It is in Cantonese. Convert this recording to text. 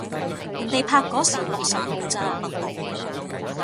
人哋拍嗰時六十路咋